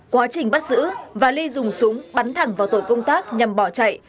quá trình bắt giữ và ly dùng súng bắn thẳng vào tội công tác nhằm bỏ chạy